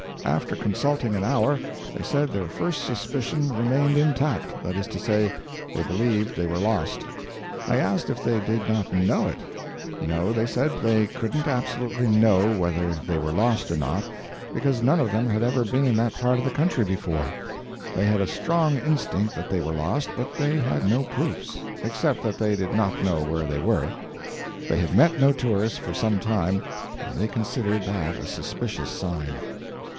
After consulting an hour they said their first suspicion remained intact that is to say, they believed they were lost. I asked if they did not KNOW it? No, they said, they COULDN'T absolutely know whether they were lost or not, because none of them had ever been in that part of the country before. They had a strong instinct that they were lost, but they had no proofs except that they did not know where they were. They had met no tourists for some time, and they considered that a suspicious sign.